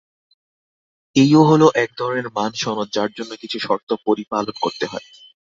এইও হলো একধরনের মান সনদ, যার জন্য কিছু শর্ত পরিপালন করতে হয়।